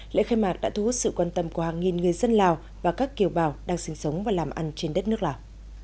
lễ khai mạc đã thu hút sự quan tâm của hàng nghìn người dân lào và các kiều bào đang sinh sống và làm ăn trên đất nước lào